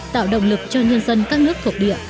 tạo động lực cho nhân dân các nước thuộc địa